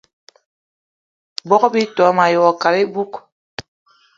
Bogb-ito mayi wo kat iboug.